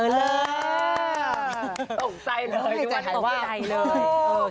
ตกใจเลยทุกวันตกที่ไทยเลย